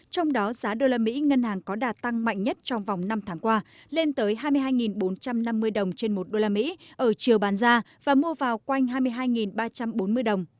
trong đó giá đô la mỹ ngân hàng có đạt tăng mạnh nhất trong vòng năm tháng qua lên tới hai mươi hai bốn trăm năm mươi đồng trên một usd ở chiều bán ra và mua vào quanh hai mươi hai ba trăm bốn mươi đồng